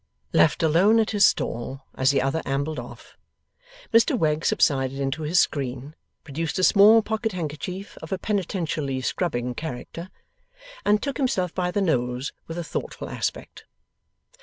Left alone at his stall as the other ambled off, Mr Wegg subsided into his screen, produced a small pocket handkerchief of a penitentially scrubbing character, and took himself by the nose with a thoughtful aspect.